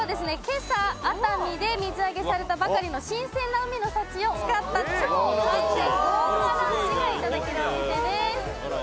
今朝熱海で水揚げされたばかりの新鮮な海の幸を使った超海鮮豪華ランチがいただけるお店です